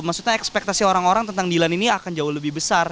maksudnya ekspektasi orang orang tentang dilan ini akan jauh lebih besar